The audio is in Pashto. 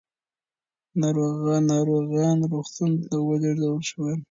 ناروغان روغتون ته ولېږدول شول.